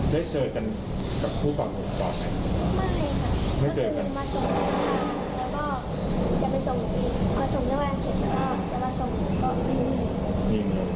แล้วลุงสิ้นก็บอกว่านุ่บเหลือโกมหน่อยเดี๋ยวโดนลูกกระสุน